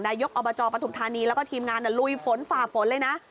นายกอบจปฐุมธานีแล้วก็ทีมงานลุยฝนฝ่าฝนเลยนะ